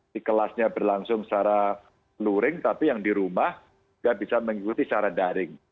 di kelasnya berlangsung secara luring tapi yang di rumah nggak bisa mengikuti secara daring